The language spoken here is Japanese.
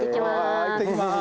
いってきます！